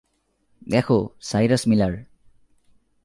দেখ, Cyrus Miller!